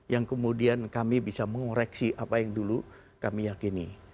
yang kemudian kami bisa mengoreksi apa yang dulu kami yakini